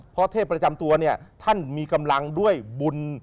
เพราะเทพประจำตัวเนี่ยท่านมีกำลังด้วยบุญ